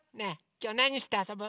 きょうなにしてあそぶ？